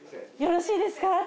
よろしいですか？